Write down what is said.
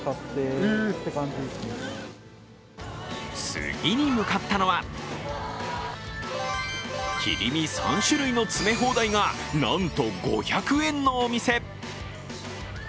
次に向かったのは切り身３種類の詰め放題が、なんと５００円のお店。